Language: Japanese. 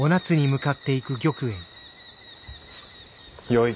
よい。